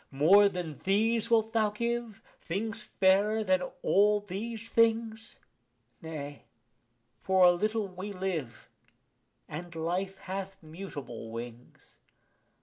More than these wilt thou give, things fairer than all these things? Nay, for a little we live, and life hath mutable wings.